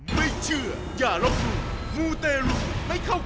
มูลไนท์